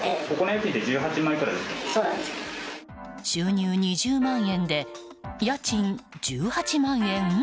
収入２０万円で家賃１８万円？